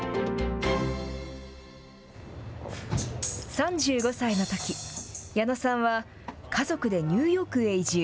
３５歳のとき、矢野さんは家族でニューヨークへ移住。